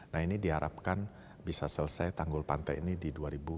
nah ini diharapkan bisa selesai tanggul pantai ini di dua ribu dua puluh